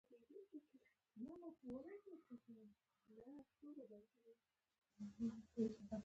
د دوو مثبت چارجونو ترمنځ دفعه وي.